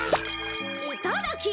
いただき！